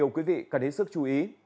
quý vị cần đến sức chú ý